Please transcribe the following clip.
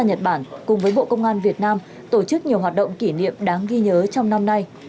nhật bản cùng với bộ công an việt nam tổ chức nhiều hoạt động kỷ niệm đáng ghi nhớ trong năm nay